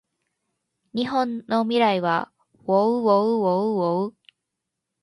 日本の未来はうぉううぉううぉううぉう